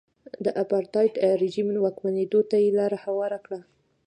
د اپارټاید رژیم واکمنېدو ته یې لار هواره کړه.